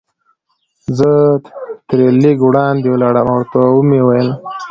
زه ترې لږ وړاندې ولاړم او ورته مې وویل.